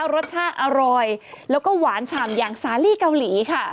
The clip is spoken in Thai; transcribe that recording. รสชาติอร่อยแล้วก็หวานฉ่ำอย่างสาลีเกาหลีค่ะ